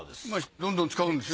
どんどん使うんですよ。